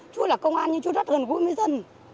chú là công an nhưng chú rất gần gũi với dân